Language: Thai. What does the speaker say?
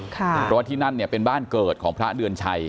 เพราะว่าที่นั่นเนี่ยเป็นบ้านเกิดของพระเดือนชัย